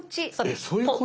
えっそういうこと？